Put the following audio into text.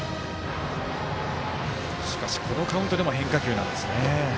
しかし、このカウントでも変化球なんですね。